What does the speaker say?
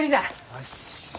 よし。